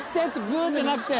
グッじゃなくて。